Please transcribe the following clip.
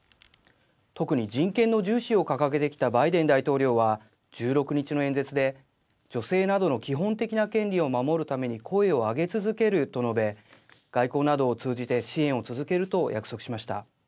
特に人権の重視を掲げてきたバイデン大統領は１６日の演説で「女性などの基本的な権利を守るために声を上げ続ける」と述べ外交などを通じて支援を続けると約束しました。